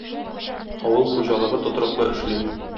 Авыл хуҗалыгы тотрыклы эшли.